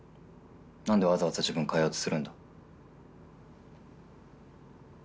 なんでわざわざ自分を変えようとするんだ？